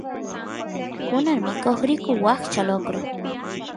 kunan mikoq riyku washcha lokro